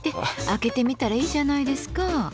開けてみたらいいじゃないですか。